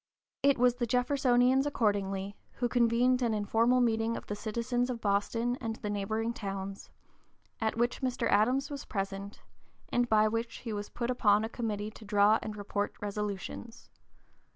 It was the Jeffersonians, accordingly, who convened "an informal meeting of the citizens of Boston and the neighboring towns," at which Mr. Adams was present, and by which he was put upon a committee to draw and report resolutions.